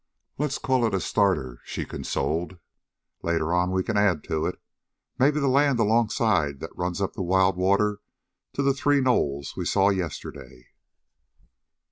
"Let us call it a starter," she consoled. "Later on we can add to it maybe the land alongside that runs up the Wild Water to the three knolls we saw yesterday."